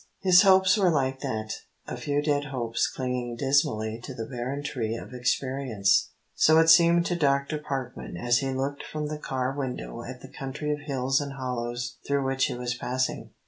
His hopes were like that, a few dead hopes clinging dismally to the barren tree of experience. So it seemed to Dr. Parkman as he looked from the car window at the country of hills and hollows through which he was passing.